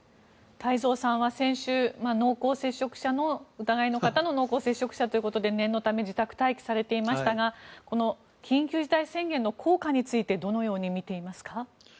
太蔵さんは先週濃厚接触者の疑いの方の濃厚接触者ということで念のため自宅待機されていましたが緊急事態宣言の効果についてどのように見ていますか？